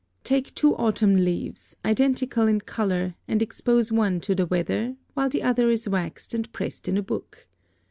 Take two autumn leaves, identical in color, and expose one to the weather, while the other is waxed and pressed in a book.